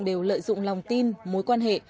đều lợi dụng lòng tin mối quan hệ